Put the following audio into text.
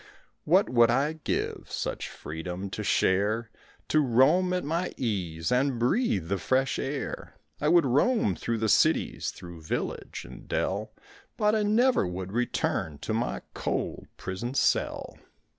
What would I give Such freedom to share, To roam at my ease And breathe the fresh air; I would roam through the cities, Through village and dell, But I never would return To my cold prison cell.